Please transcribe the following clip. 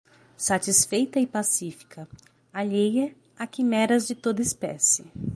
satisfeita e pacífica, alheia a quimeras de toda espécie